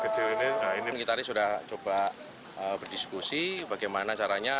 kita tadi sudah coba berdiskusi bagaimana caranya